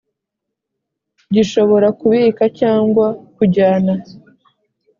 gishobora kubika cyangwa kujyana